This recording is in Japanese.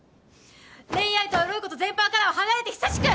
恋愛とエロいこと全般からは離れて久しく！